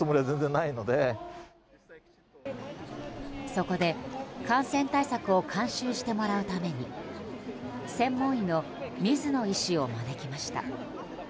そこで感染対策を監修してもらうために専門医の水野医師を招きました。